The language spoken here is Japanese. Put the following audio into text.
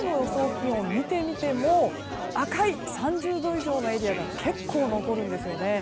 気温を見てみても赤い３０度以上のエリアが結構残るんですよね。